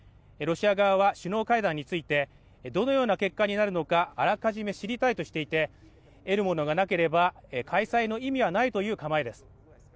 ロシア側は首脳会談についてどのような結果になるのかあらかじめ知りたいとしていて得るものがなければ開催の意味はないという構えです